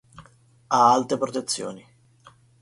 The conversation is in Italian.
Ha alte protezioni.